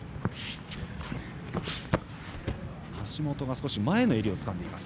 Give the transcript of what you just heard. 橋本が前の襟をつかんでいます。